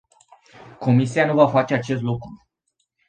Comisia nu va face acest lucru.